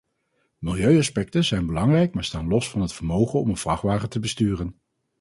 Milieuaspecten zijn belangrijk maar staan los van het vermogen om een vrachtwagen te besturen.